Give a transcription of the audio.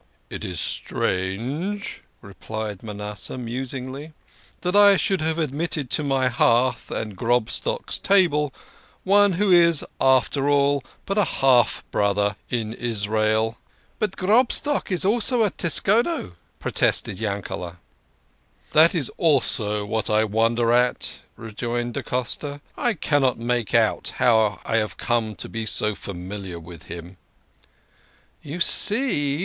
"It is strange," replied Manasseh musingly, "that I should have admitted to my hearth and Grobstock's table one who is, after all, but a half brother in Israel." " But Grobstock is also a Tedesco," protested Yankele. " That is also what I wonder at," rejoined da Costa. " I cannot make out how I have come to be so familiar with him." " You see